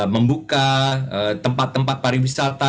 membuka tempat tempat pariwisata